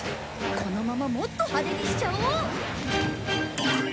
このままもっと派手にしちゃおう！